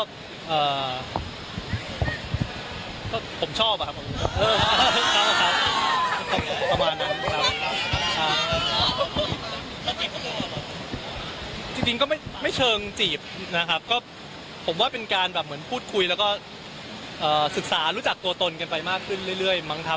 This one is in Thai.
จริงก็ไม่เชิงจีบนะครับก็ผมว่าเป็นการแบบเหมือนพูดคุยแล้วก็ศึกษารู้จักตัวตนกันไปมากขึ้นเรื่อยมั้งครับ